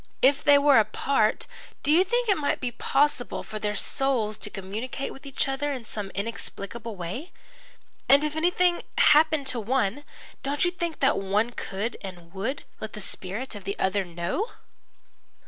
If they were apart, do you think it might be possible for their souls to communicate with each other in some inexplicable way? And if anything happened to one, don't you think that that one could and would let the spirit of the other know?"